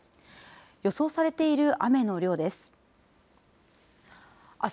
予想されている雨の量です。